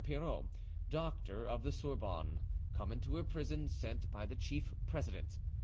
Pirot, doctor of the Sorbonne, come into her prison, sent by the chief president.